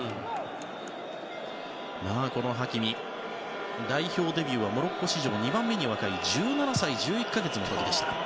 ハキミ、代表デビューはモロッコ史上２番目に若い１７歳１１か月の時でした。